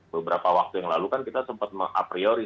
beberapa waktu yang lalu kan kita sempat mengapriori